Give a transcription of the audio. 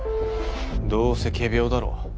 どうせ仮病だろ？